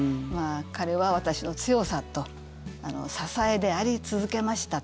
彼は私の強さと支えであり続けました。